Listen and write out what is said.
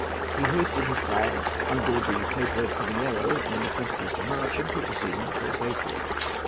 He hoisted his flag on board the Pedro Primiero on the 21st of March, and put to sea on the 3rd of April.